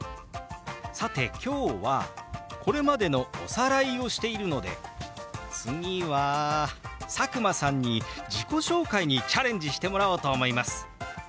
さて今日はこれまでのおさらいをしているので次は佐久間さんに自己紹介にチャレンジしてもらおうと思います。